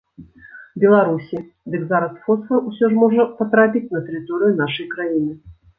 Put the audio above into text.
Беларусі, дык зараз фосфар усё ж можа патрапіць на тэрыторыю нашай краіны.